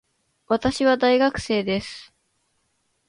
私は大学生です